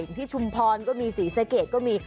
อย่างที่ชุมพรก็มีศรีสเกตก็มี